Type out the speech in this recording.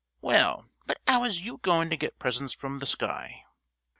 "Well, but 'ow is you goin' to get presents from the sky?"